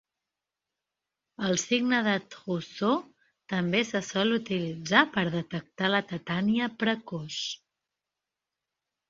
El signe de Trousseau també se sol utilitzar per detectar la tetània precoç.